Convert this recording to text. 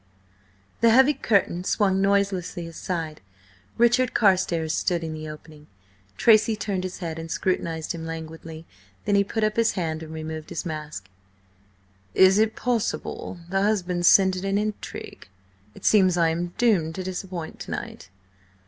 The heavy curtain swung noiselessly aside. Richard Carstares stood in the opening. Tracy turned his head and scrutinised him languidly. Then he put up his hand and removed his mask. "Is it possible the husband scented an intrigue? It seems I am doomed to disappoint to night."